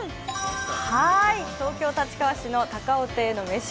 東京・立川市の高尾亭のめし